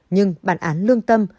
nhưng bản án lương tâm